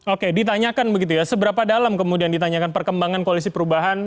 oke ditanyakan begitu ya seberapa dalam kemudian ditanyakan perkembangan koalisi perubahan